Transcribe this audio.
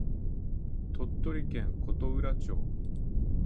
鳥取県琴浦町